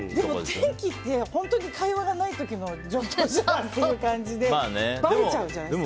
天気って本当に会話がない時の常套手段という感じでばれちゃうじゃないですか。